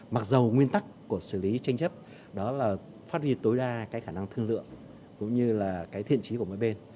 mặc dù nguyên tắc của xử lý tranh chấp đó là phát huy tối đa cái khả năng thương lượng cũng như là cái thiện trí của mỗi bên